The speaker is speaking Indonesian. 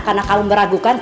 karena kamu meragukan